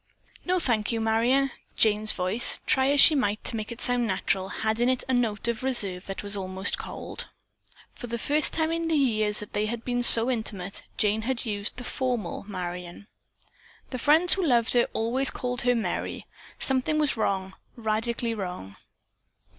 "No, thank you, Marion," Jane's voice, try as she might to make it sound natural, had in it a note of reserve that was almost cold. For the first time in the years that they had been so intimate, Jane had used the formal Marion. The friends who loved her always called her Merry. Something was wrong, radically wrong.